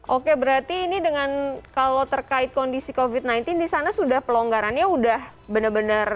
oke berarti ini dengan kalau terkait kondisi covid sembilan belas di sana sudah pelonggarannya udah benar benar